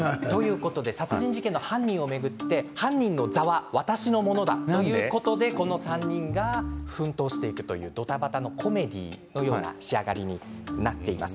殺人事件の犯人を巡って犯人の座は、私のものだということで、この３人が奮闘していくドタバタのコメディーのような仕上がりになっています。